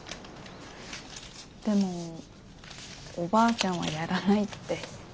でもおばあちゃんはやらないって。